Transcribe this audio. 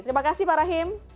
terima kasih pak rahim